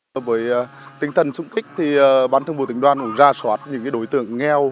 với tinh thần trung kích thì bán thương bộ tỉnh đoan cũng ra soát những đối tượng nghèo